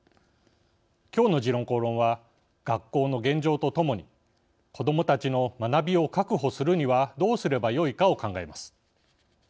きょうの「時論公論」は学校の現状とともに子どもたちの学びを確保するにはどうすればよいかを考えます。